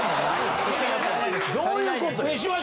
どういうことよ？